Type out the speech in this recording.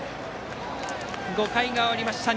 ５回が終わりました。